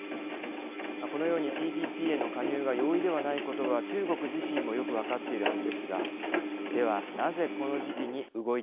このようにＴＰＰへの加入が容易ではないことは中国自身もよく分かっているはずですがではなぜこの時期に動いたのでしょうか。